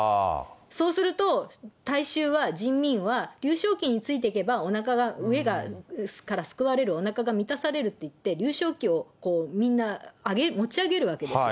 そうすると、大衆は、人民は劉少奇についていけば、おなかが、飢えから救われる、おなかが満たされるって言って、劉少奇をみんな、持ち上げるわけです。